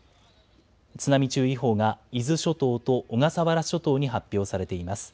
津波注意報が伊豆諸島と小笠原諸島に発表されています。